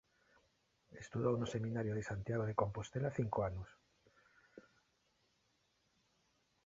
Estudou no seminario de Santiago de Compostela cinco anos.